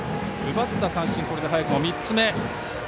奪った三振、早くも３つ目。